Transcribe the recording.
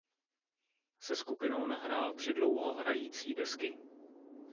Se skupinou nahrál tři dlouhohrající desky.